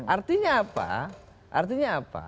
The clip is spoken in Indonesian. artinya apa artinya apa